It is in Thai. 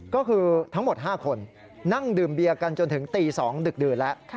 ก็คือทั้งหมด๕คนนั่งดื่มเบียร์กันจนถึงตี๒ดึกดื่นแล้ว